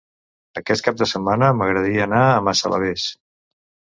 Aquest cap de setmana m'agradaria anar a Massalavés.